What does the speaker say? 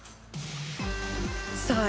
さあ